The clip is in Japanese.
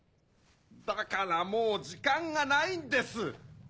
だからもう時間がないんです！